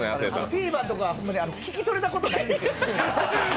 フィーバーとか、ホンマに聞き取れたことがないんですよ。